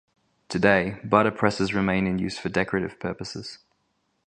Today, butter presses remain in use for decorative purposes.